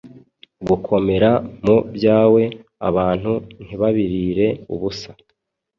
Gukomera ku byawe abantu ntibabirire ubusa.